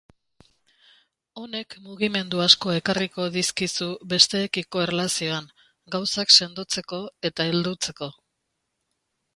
Honek mugimendu asko ekarriko dizkizu besteekiko erlazioan, gauzak sendotzeko eta heldutzeko.